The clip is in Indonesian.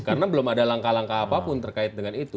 karena belum ada langkah langkah apapun terkait dengan itu